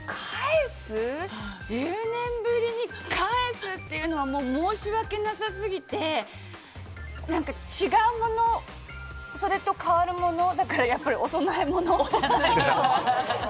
１０年ぶりに返すっていうのは申し訳なさすぎて、違うものそれと代わるものだから、やっぱりお供え物。